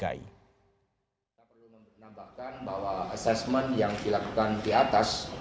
kita perlu menambahkan bahwa assessment yang dilakukan di atas